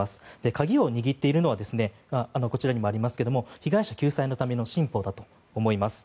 鍵を握っているのはこちらにもありますけれども被害者救済のための新法だと思います。